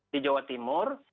di jawa timur